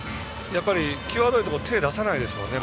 やっぱり際どいところ手を出さないですものね